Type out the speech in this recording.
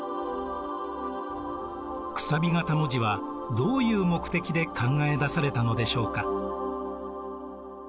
楔形文字はどういう目的で考え出されたのでしょうか？